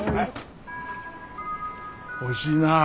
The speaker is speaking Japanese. おいしいなあ。